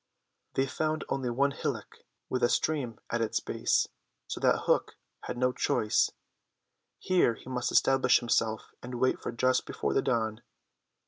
They found only one hillock with a stream at its base, so that Hook had no choice; here he must establish himself and wait for just before the dawn.